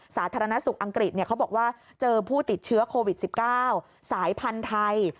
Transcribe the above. สาธารณสุขอังกฤษเขาบอกว่าเจอผู้ติดเชื้อโควิด๑๙สายพันธุ์ไทย